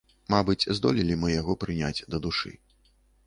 Мабыць, здолелі мы яго прыняць да душы.